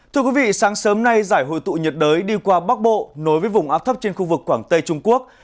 thưa quý vị sáng sớm nay giải hội tụ nhiệt đới đi qua bắc bộ nối với vùng áp thấp trên khu vực quảng tây trung quốc